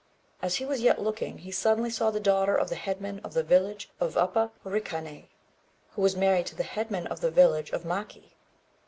As he was yet looking, he suddenly saw the daughter of the headman of the village of Upper Horikané, who was married to the headman of the village of Maki.